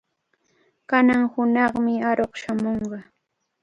Kanan hunaqmi aruq shamunqa.